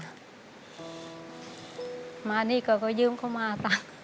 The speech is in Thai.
อเรนนี่แจ๋ามาที่เมื่อกดคุยเตยมเขายืมเข้ามาตั้ง